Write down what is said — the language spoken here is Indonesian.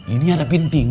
ini ada penting